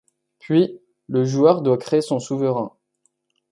Puis, le joueur doit créer son souverain.